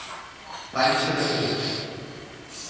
Panxa de cucs.